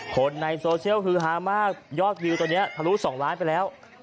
คนในโซเชียลฮือฮามากยอดวิวตอนนี้ทะลุ๒ล้านไปแล้ว